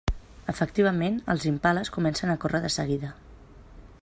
Efectivament, els impales comencen a córrer de seguida.